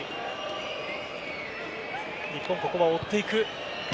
日本、ここは追っていく。